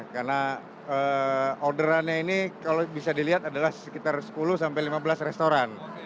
karena orderannya ini kalau bisa dilihat adalah sekitar sepuluh sampai lima belas restoran